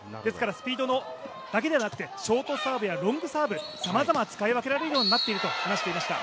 スピードだけではなくてショートサーブやロングサーブさまざま使い分けられるようになっていると話していました。